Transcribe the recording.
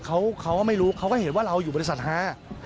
เขาก็ไม่รู้เขาก็เห็นว่าเราอยู่บริษัทฮา